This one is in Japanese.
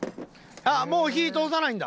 あっもう火通さないんだ？